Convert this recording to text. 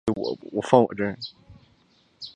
石川赖明是安土桃山时代武将和大名。